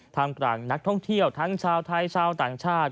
ทำกลางนักท่องเที่ยวทั้งชาวไทยชาวต่างชาติ